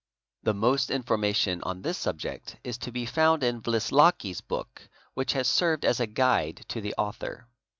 4 The most information on this subject is to be found in Wlslocki's book which has served as a euide to the author.